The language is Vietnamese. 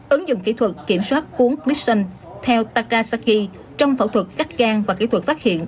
ứng dụng kỹ thuật kiểm soát cuốn wiston theo takasaki trong phẫu thuật cắt gan và kỹ thuật phát hiện